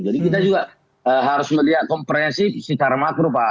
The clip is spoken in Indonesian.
jadi kita juga harus melihat komprehensi secara makro pak